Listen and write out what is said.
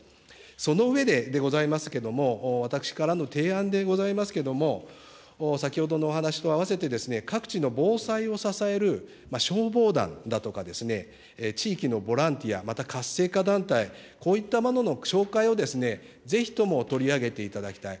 その上ででございますけれども、私からの提案でございますけれども、先ほどのお話とあわせて、各地の防災を支える消防団だとか地域のボランティア、また活性化団体、こういったものの紹介を、ぜひとも取り上げていただきたい。